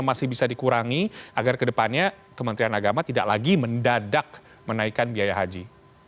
masih bisa dikurangi agar kedepannya kementerian agama tidak lagi mendadak menaikkan biaya haji